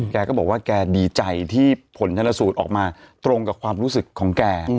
แกก็บอกว่าแกดีใจที่ผลชนสูตรออกมาตรงกับความรู้สึกของแก